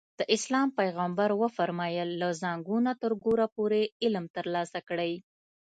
د اسلام پیغمبر وفرمایل له زانګو نه تر ګوره پورې علم ترلاسه کړئ.